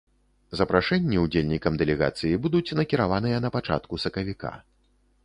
Запрашэнні ўдзельнікам дэлегацыі будуць накіраваныя на пачатку сакавіка.